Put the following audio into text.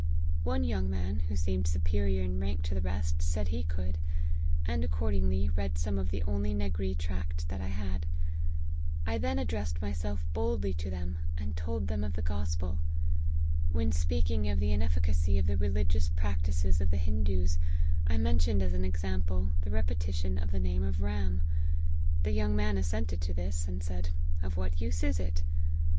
One young man, who seemed superior in rank to the rest, said he could, and accordingly read some of the only N agree tract that I had. I then addressed myself boldly to them, and told them of the gospel. When speak ing of the inefficacy of the religious practices of the Hindoos, I mentioned as an example, the re petition of the name of Ram. The young man assented to this ; and said ' of what use is it !'